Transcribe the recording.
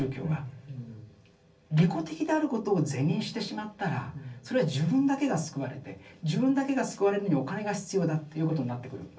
利己的であることを是認してしまったらそれは自分だけが救われて自分だけが救われるのにお金が必要だということになってくるわけですね。